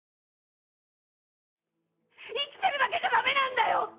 生きてるだけじゃダメなんだよ！